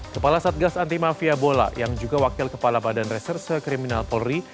kepala satgas anti mafia bola yang juga wakil kepala badan reserse kriminal polri